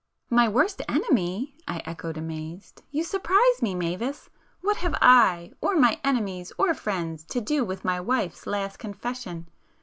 "My worst enemy?" I echoed amazed—"You surprise me, Mavis,—what have I, or my enemies or friends to do with my wife's last confession?